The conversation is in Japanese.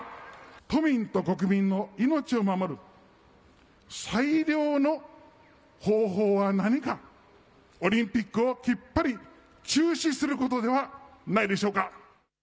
都民と国民の命を守る最良の方法は何か、オリンピックをきっぱり中止することではないでしょうか。